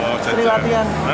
oh seri latihan